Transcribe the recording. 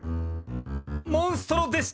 モンストロでした！